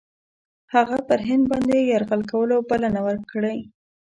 هغه پر هند باندي یرغل کولو بلنه ورکړې.